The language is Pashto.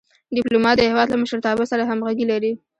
ډيپلومات د هېواد له مشرتابه سره همږغي لري.